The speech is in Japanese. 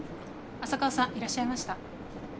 浅川さんいらっしゃいました。